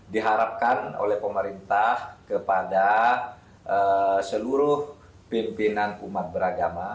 diharapkan oleh pemerintah kepada seluruh pimpinan umat beragama